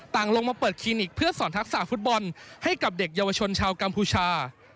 ลงมาเปิดคลินิกเพื่อสอนทักษะฟุตบอลให้กับเด็กเยาวชนชาวกัมพูชา